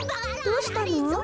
どうしたの？